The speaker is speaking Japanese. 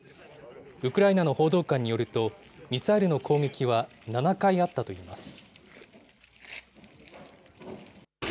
ウクライナの報道官によると、ミサイルの攻撃は７回あったといいます。